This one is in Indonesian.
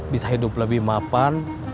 bisa hidup lebih mapan